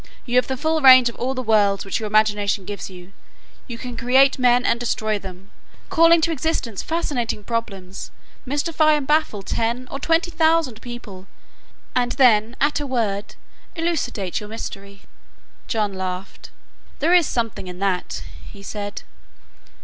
You have the full range of all the worlds which your imagination gives to you. You can create men and destroy them, call into existence fascinating problems, mystify and baffle ten or twenty thousand people, and then, at a word, elucidate your mystery." John laughed. "There is something in that," he said.